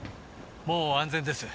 もう安全です。